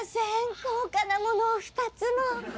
高価なものを２つも。